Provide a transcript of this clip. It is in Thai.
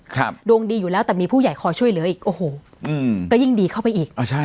ดวงดีอยู่แล้วแต่มีผู้ใหญ่คอยช่วยเหลืออีกโอ้โหอืมก็ยิ่งดีเข้าไปอีกอ่าใช่